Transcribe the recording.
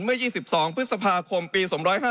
เมื่อ๒๒พฤษภาคมปี๒๕๕๙